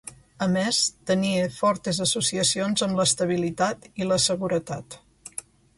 A més, tenia fortes associacions amb l'estabilitat i la seguretat.